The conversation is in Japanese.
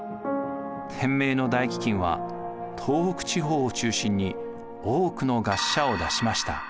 天明の大飢饉は東北地方を中心に多くの餓死者を出しました。